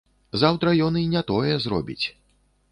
Заўтра ён і не тое зробіць.